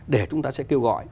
để chúng ta sẽ kêu gọi